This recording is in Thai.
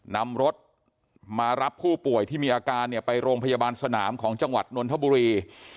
นำรถมารับผู้ป่วยที่มีอาการเนี่ยไปโรงพยาบาลสนามของจังหวัดนนทบุรี